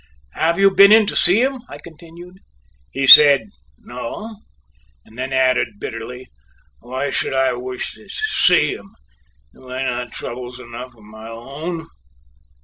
"Have you been in to see him?" I continued. He said, "No," and then added bitterly: "Why should I wish to see him? Have I not troubles enough of my own?"